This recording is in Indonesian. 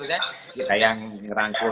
kayak yang rangkul